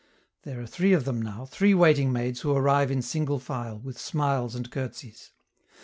There are three of them now, three waiting maids who arrive in single file, with smiles and curtseys.